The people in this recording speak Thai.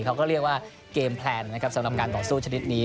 เขาก็เรียกว่าเกมแพลนนะครับสำหรับการต่อสู้ชนิดนี้